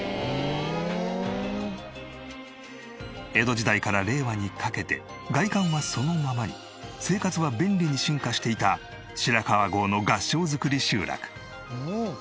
江戸時代から令和にかけて外観はそのままに生活は便利に進化していた白川郷の合掌造り集落。